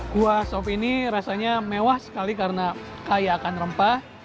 gua sop ini rasanya mewah sekali karena kaya akan rempah